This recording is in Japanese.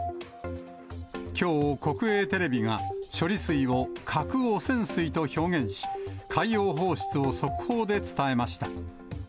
きょう、国営テレビが処理水を、核汚染水と表現し、海洋放出を速報で伝えました。